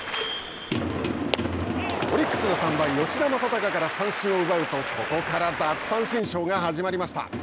オリックスの３番吉田正尚から三振を奪うとここから奪三振ショーが始まりました。